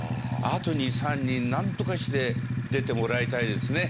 あと２３人なんとかして出てもらいたいですね。